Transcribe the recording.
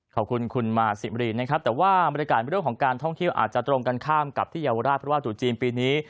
ขอบคุณคุณมาสิบรีนะครับแต่ว่าบรรยากาศเรื่องของการท่องเที่ยวอาจจะตรงกันข้ามกับที่เยาวราชเพราะว่าตรุษจีนปีนี้